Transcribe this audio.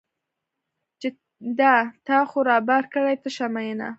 چې دا تا خو رابار کړې تشه مینه